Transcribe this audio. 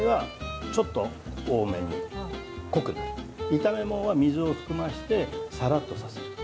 炒めものは、水を含ませてサラッとさせる。